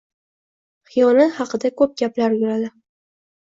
Xiyonat haqida ko‘p gaplar yuradi